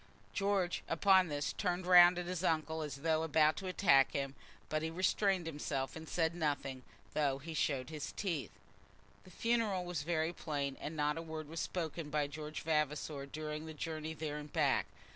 George upon this turned round at his uncle as though about to attack him, but he restrained himself and said nothing, though he showed his teeth. The funeral was very plain, and not a word was spoken by George Vavasor during the journey there and back.